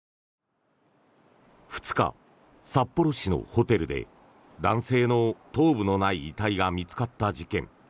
２日、札幌市のホテルで男性の頭部のない遺体が見つかった事件。